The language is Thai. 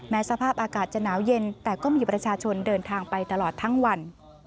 สภาพอากาศจะหนาวเย็นแต่ก็มีประชาชนเดินทางไปตลอดทั้งวัน